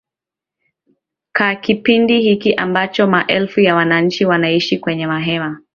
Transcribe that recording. ka kipindi hiki ambacho ma elfu ya wananchi wanaishi kwenye mahema